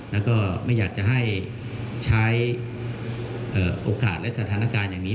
แล้วก็ไม่อยากจะให้ใช้โอกาสและสถานการณ์อย่างนี้